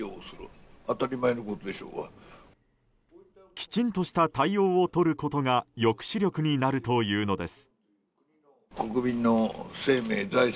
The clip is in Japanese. きちんとした対応をとることが抑止力になるというのです。